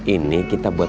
ini kita buat